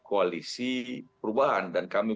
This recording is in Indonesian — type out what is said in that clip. koalisi perubahan dan kami